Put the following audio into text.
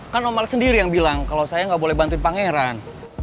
kan om alex sendiri yang bilang kalo saya gak boleh bantuin pangeran